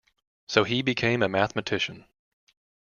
So he became a mathematician.